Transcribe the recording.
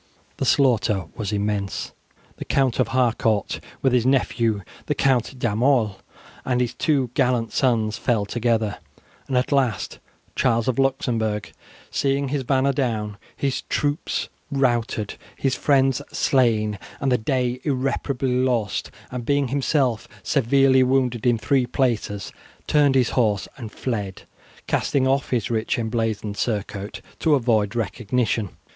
The slaughter was immense. The Count of Harcourt, with his nephew the Count D'Aumale and his two gallant sons, fell together, and at last Charles of Luxembourg, seeing his banner down, his troops routed, his friends slain, and the day irreparably lost, and being himself severely wounded in three places, turned his horse and fled, casting off his rich emblazoned surcoat to avoid recognition.